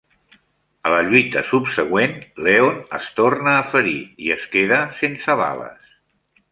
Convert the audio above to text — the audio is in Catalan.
A la lluita subsegüent, Leon es torna a ferir, i es queda sense bales.